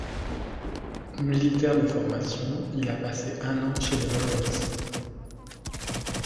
Militaire de formation, il a passé un an chez les marines.